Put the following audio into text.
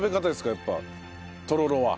やっぱとろろは。